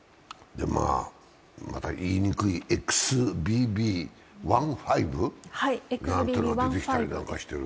また言いにくいＸＢＢ．１．５というのが出てきたりしている。